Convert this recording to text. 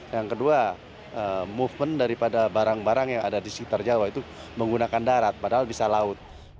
yang kedua movement daripada barang barang yang ada di sekitar jawa itu menggunakan darat padahal bisa laut